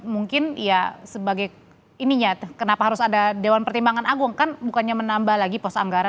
mungkin ya sebagai ininya kenapa harus ada dewan pertimbangan agung kan bukannya menambah lagi pos anggaran